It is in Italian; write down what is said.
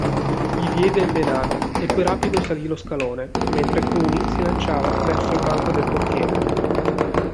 Gli diede il denaro e poi rapido salì lo scalone, mentre Cruni si lanciava verso il banco del portiere.